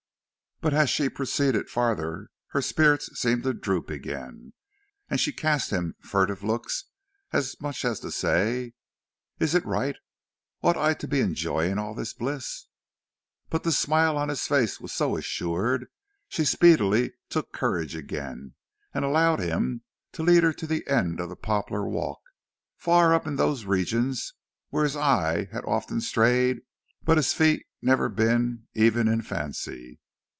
But as she proceeded farther her spirits seemed to droop again, and she cast him furtive looks as much as to say: "Is it right? ought I to be enjoying all this bliss?" But the smile on his face was so assured, she speedily took courage again, and allowed him to lead her to the end of the poplar walk, far up in those regions where his eye had often strayed but his feet never been even in fancy.